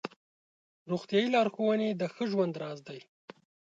روغتیایي لارښوونې د ښه ژوند راز دی.